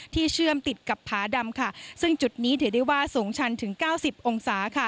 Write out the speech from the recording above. ที่เชื่อมติดกับผาดำซึ่งจุดนี้ถือได้ว่าสูงชันถึง๙๐องศา